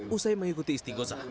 usai mengikuti istigozah